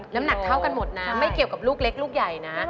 น้ำหนักเท่ากันหมดนะไม่เกี่ยวกับลูกเล็กลูกใหญ่นะ